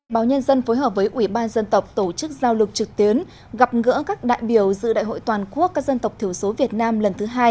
báo nhân dân phối hợp với ủy ban dân tộc tổ chức giao lưu trực tuyến gặp gỡ các đại biểu dự đại hội toàn quốc các dân tộc thiểu số việt nam lần thứ hai